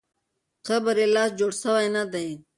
قبر یې لا جوړ سوی نه دی.